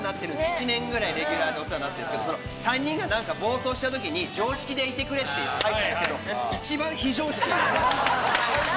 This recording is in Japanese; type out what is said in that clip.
１年くらいレギュラーでお世話になってるんですけれども、３人が暴走したときに、常識でいてくれって入ったんですけれども、一番非常識。